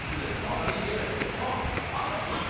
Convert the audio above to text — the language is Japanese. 最近行けないですけど油パン！